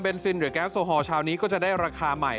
โทษภาพชาวนี้ก็จะได้ราคาใหม่